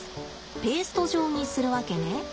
ペースト状にするわけね。